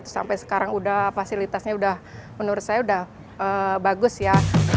sampai sekarang fasilitasnya menurut saya sudah bagus ya